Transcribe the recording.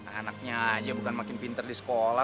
anaknya aja bukan makin pinter di sekolah